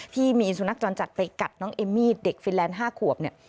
ที่มีสุนัขจรจัดไปกัดน้องเอมมี่เด็กฟินแลนด์๕ขวบเนี่ย